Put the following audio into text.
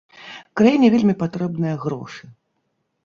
Краіне вельмі патрэбныя грошы.